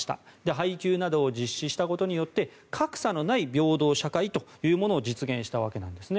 配給などを実施したことによって格差のない平等社会というものを実現したわけなんですね。